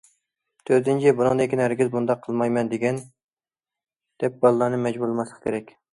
تۆتىنچى،« بۇنىڭدىن كېيىن ھەرگىز بۇنداق قىلمايمەن دېگىن» دەپ بالىلارنى مەجبۇرلىماسلىق كېرەك.